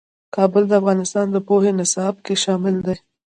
کابل د افغانستان د پوهنې نصاب کې شامل دي.